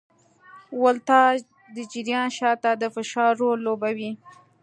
ولتاژ د جریان شاته د فشار رول لوبوي.